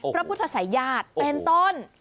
พระพุทธศัยญาติเป็นต้น